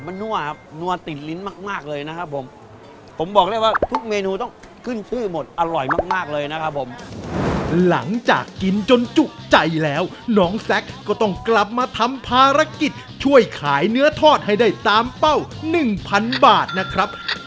บาทแล้วนะครับผมโอ้โหผมใส่งานนี้ผมได้กินฟรีตลอดปีแน่นอนครับ